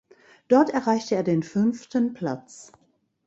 Dort erreichte er den fünften Platz.